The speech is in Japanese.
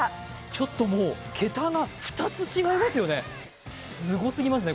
ちょっともう桁が２つ違いますね、すごすぎますね。